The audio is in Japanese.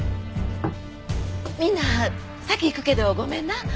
みんな先行くけどごめんな。